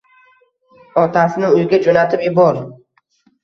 Otasini uyiga jo`natib yubor